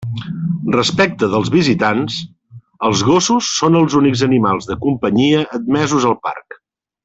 Respecte dels visitants, els gossos són els únics animals de companyia admesos al parc.